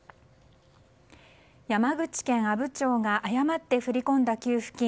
山口県阿武町が誤って振り込んだ給付金